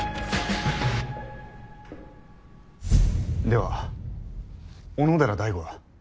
では小野寺大伍は？